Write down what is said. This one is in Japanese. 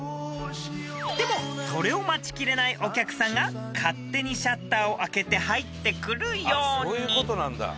［でもそれを待ちきれないお客さんが勝手にシャッターを開けて入ってくるように］